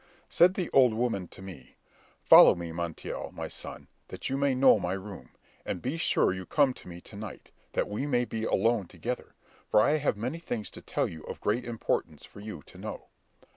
Said the old woman to me, "Follow me, Montiel, my son, that you may know my room; and be sure you come to me to night, that we may be alone together, for I have many things to tell you of great importance for you to know."